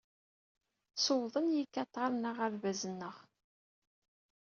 Sewḍen yikataren aɣerbaz-nneɣ.